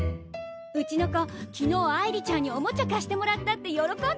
うちの子昨日愛梨ちゃんにオモチャ貸してもらったって喜んでました。